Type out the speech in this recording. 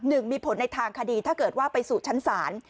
หนึ่งมีผลในทางคดีถ้าเกิดว่าไปสู่ชั้นศาล